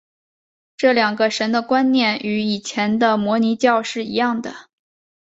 这两个神的观念与以前的摩尼教是一样的。